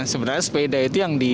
sebenarnya sepeda itu yang di